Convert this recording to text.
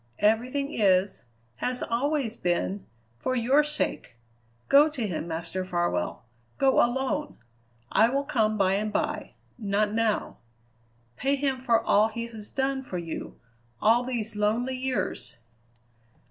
Everything is, has always been, for your sake. Go to him, Master Farwell go alone. I will come by and by; not now. Pay him for all he has done for you all these lonely years!"